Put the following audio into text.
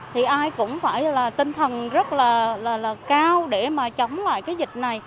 thì ai cũng phải là tinh thần rất là cao để mà chống lại cái dịch này